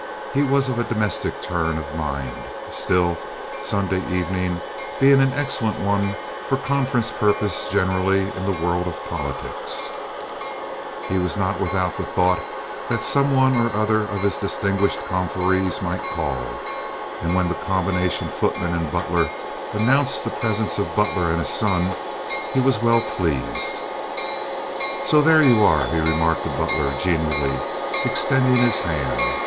He was of a domestic turn of mind. Still, Sunday evening being an excellent one for conference purposes generally in the world of politics, he was not without the thought that some one or other of his distinguished confreres might call, and when the combination footman and butler announced the presence of Butler and his son, he was well pleased. "So there you are," he remarked to Butler, genially, extending his hand.